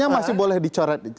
masih boleh dicoret